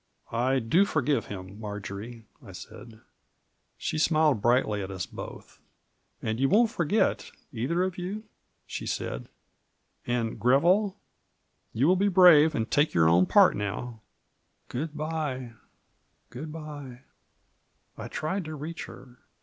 " I do forgive him, Marjory," I said. She smiled brightly at us both. "And you won't forget, either of you?" she said. " And, Greville, you Digitized by VjOOQIC 112 MARJORY. will be brave, and take your own part now. Good by, good by." I tried to reach her.